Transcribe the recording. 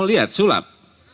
mau lihat sulap